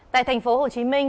tại thành phố hồ chí minh